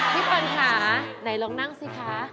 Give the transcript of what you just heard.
พี่ปัญหาไหนลองนั่งสิคะ